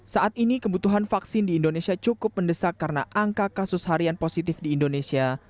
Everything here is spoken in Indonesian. saat ini kebutuhan vaksin di indonesia cukup mendesak karena angka kasus harian positif di indonesia